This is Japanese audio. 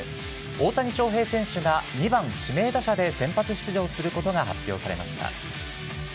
大谷翔平選手が２番指名打者で先発出場することが発表されました。